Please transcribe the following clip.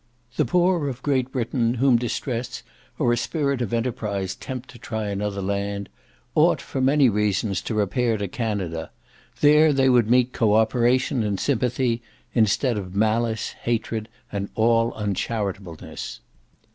The poor of great Britain, whom distress, or a spirit of enterprise tempt to try another land, ought, for many reasons, to repair to Canada; there they would meet co operation and sympathy, instead of malice, hatred, and all uncharitableness.